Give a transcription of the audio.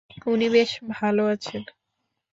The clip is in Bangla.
উনি বেশ ভালো আছেন।